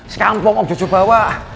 sekampung om jojo bawa